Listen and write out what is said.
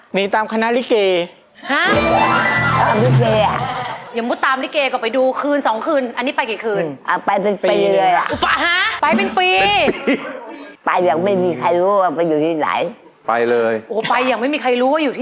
หนีตามใครคะหนีตามคณะริเก